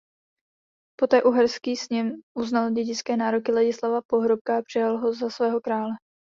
Poté uherský sněm uznal dědické nároky Ladislava Pohrobka a přijal ho za svého krále.